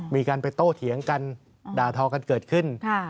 มีการไปโต้เถียงกันด่าทอกันเกิดขึ้น